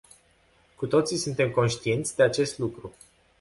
Cu toții suntem conștienți de acest lucru.